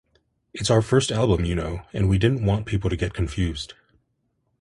It's our first album, you know, and we didn't want people to get confused.